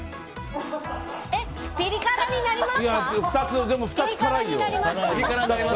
え、ピリ辛になりますか？